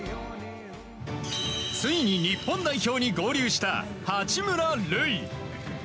ついに日本代表に合流した八村塁。